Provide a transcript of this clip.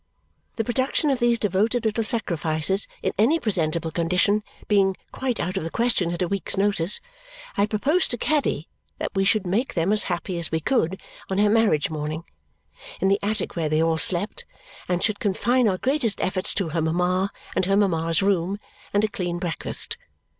The production of these devoted little sacrifices in any presentable condition being quite out of the question at a week's notice, I proposed to Caddy that we should make them as happy as we could on her marriage morning in the attic where they all slept, and should confine our greatest efforts to her mama and her mama's room, and a clean breakfast.